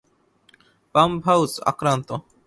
Pump house আক্রান্ত!